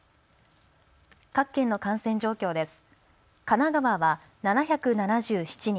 各県の感染状況です。